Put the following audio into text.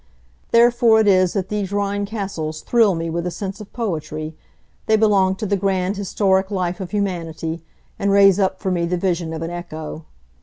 Therefore it is that these Rhine castles thrill me with a sense of poetry; they belong to the grand historic life of humanity, and raise up for me the vision of an echo.